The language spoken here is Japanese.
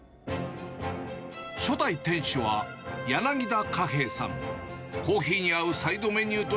初代店主は、柳田嘉兵衛さん。